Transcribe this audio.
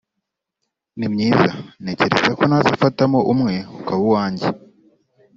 ni myiza ntekereza ko nazafatamo umwe ukaba uwanjye